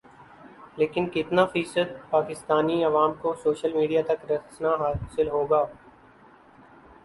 لیکن کِتنا فیصد پاکستانی عوام کو سوشل میڈیا تک رسنا حاصل ہونا